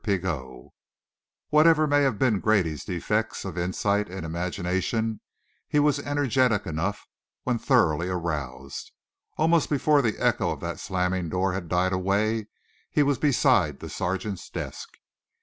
PIGOT Whatever may have been Grady's defects of insight and imagination, he was energetic enough when thoroughly aroused. Almost before the echo of that slamming door had died away, he was beside the sergeant's desk.